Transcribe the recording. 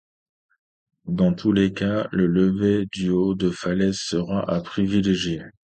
Dans tous les cas, le levé du haut de falaise sera à privilégier.